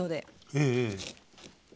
ええええ。